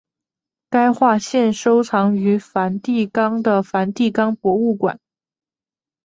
该画现收藏于梵蒂冈的梵蒂冈博物馆。